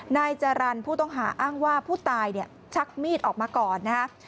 นายจารนผู้ต้องหาอ้างว่าผู้ตายชักมีดออกมาก่อนนะครับ